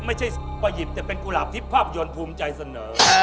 ไม่ใช่ประหยิบแต่เป็นกุหลาบที่ภาพยนตร์ภูมิใจเสนอ